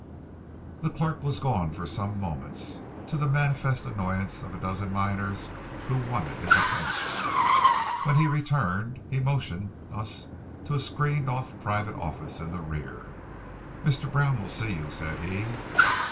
The clerk was gone for some moments, to the manifest annoyance of a dozen miners who wanted his attention. When he returned he motioned us to a screened off private office in the rear. "Mr. Brown will see you," said he.